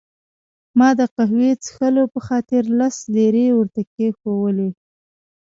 ما د قهوې څښلو په خاطر لس لیرې ورته کښېښوولې.